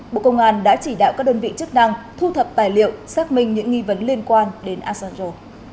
bộ công an đã chỉ đạo các đơn vị chức năng thu thập tài liệu xác minh những nghi vấn liên quan đến asanjo